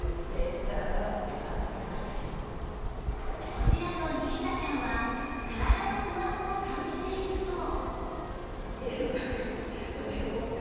こちらの西田さんは体の不安も感じているそう